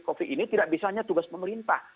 covid ini tidak bisanya tugas pemerintah